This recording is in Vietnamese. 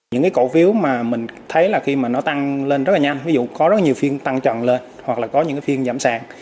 những cái cổ phiếu mà mình thấy là khi mà nó tăng lên rất là nhanh ví dụ có rất nhiều phiên tăng trần lên hoặc là có những phiên giảm sàn